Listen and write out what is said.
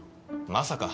まさか。